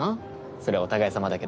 それはお互いさまだけど。